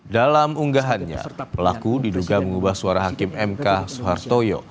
dalam unggahannya pelaku diduga mengubah suara hakim mk soehartoyo